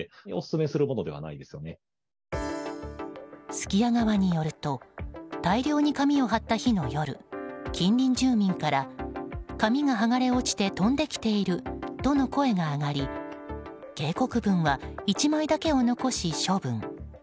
すき家側によると大量に紙を貼った日の夜近隣住民から、紙が剥がれ落ちて飛んできているとの声が上がり警告文は１枚だけを残し、処分。